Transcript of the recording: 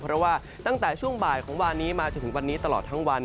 เพราะว่าตั้งแต่ช่วงบ่ายของวานนี้มาจนถึงวันนี้ตลอดทั้งวัน